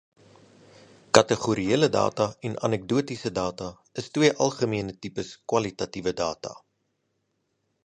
Kategoriale data en anekdotiese data is twee algemene tipes kwalitatiewe data.